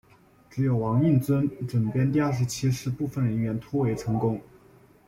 只有王应尊整编第二十七师部分人员突围成功。